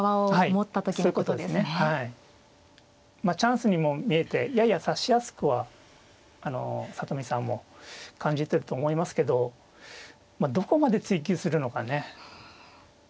まあチャンスにも見えてやや指しやすくはあの里見さんも感じてると思いますけどまあどこまで追求するのかね。